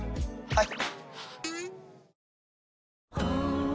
はい。